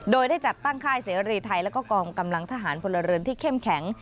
โดยได้จัดตั้งค่ายเสรีไทยแล้วก็กองกำลังทหารพลเรือนที่เข้มแข็ง